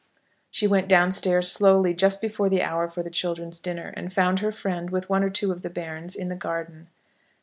She went down stairs, slowly, just before the hour for the children's dinner, and found her friend, with one or two of the bairns, in the garden.